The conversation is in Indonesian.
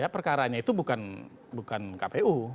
perkaranya itu bukan kpu